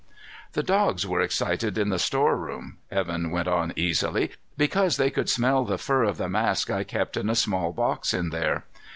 "The dogs were excited in the storeroom," Evan went on easily, "because they could smell the fur of the mask I kept in a small box in there.